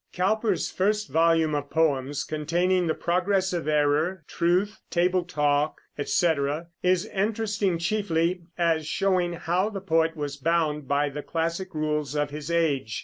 Cowper's first volume of poems, containing "The Progress of Error," "Truth," "Table Talk," etc., is interesting chiefly as showing how the poet was bound by the classical rules of his age.